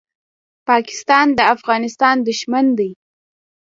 پاکستان د افغانستان دښمن دی.